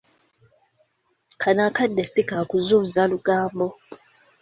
Kano akadde si kakuzunza lugambo.